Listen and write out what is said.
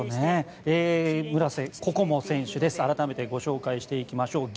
村瀬心椛選手、改めてご紹介していきます。